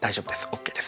ＯＫです。